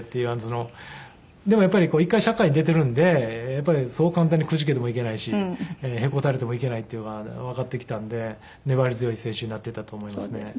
でもやっぱり１回社会に出ているんでそう簡単にくじけてもいけないしへこたれてもいけないっていうのがわかってきたんで粘り強い選手になっていったと思いますね。